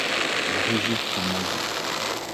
Ils résident en Asie.